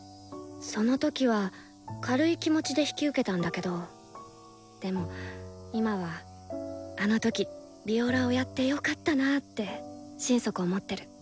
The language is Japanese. その時は軽い気持ちで引き受けたんだけどでも今はあの時ヴィオラをやってよかったなって心底思ってる。